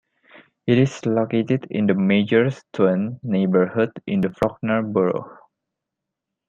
It is located in the Majorstuen neighborhood in the Frogner borough.